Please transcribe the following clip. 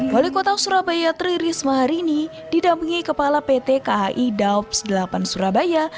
wali kota surabaya tri risma hari ini didampingi kepala pt kai daops delapan surabaya